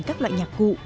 các loại nhạc cụ